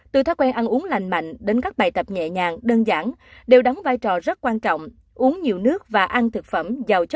từ thói quen ăn uống lành mạnh đến các bài tập nhẹ nhàng đơn giản đều đóng vai trò rất quan trọng